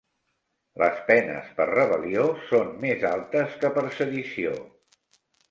Les penes per rebel·lió són més altes que per sedició